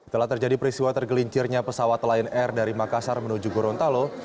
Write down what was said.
telah terjadi peristiwa tergelincirnya pesawat lion air dari makassar menuju gorontalo